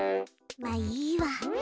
まっいいわ。